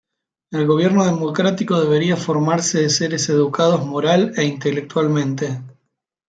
El gobierno democrático debería formarse de seres educados moral e intelectualmente.